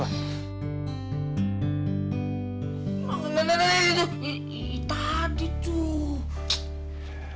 makanan aja dulu iya tadi tuh